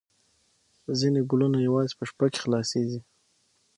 ځینې ګلونه یوازې په شپه کې خلاصیږي